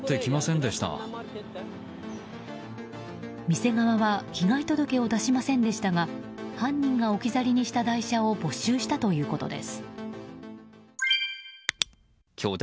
店側は被害届を出しませんでしたが犯人が置き去りにした台車を没収したということです。